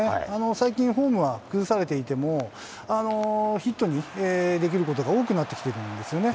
最近、フォームは崩されていても、ヒットにできることが多くなってきてるんですよね。